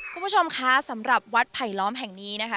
คุณผู้ชมคะสำหรับวัดไผลล้อมแห่งนี้นะคะ